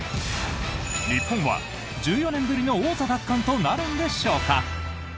日本は１４年ぶりの王座奪還となるんでしょうか？